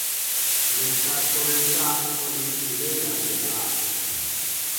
Neska askorentzat hori iraingarria da.